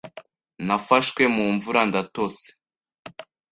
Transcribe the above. Nafashwe mu mvura ndatose.